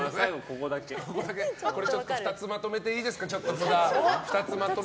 ２つまとめていいですか？